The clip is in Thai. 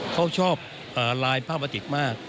เขาชอบลายผ้าบาติกมาก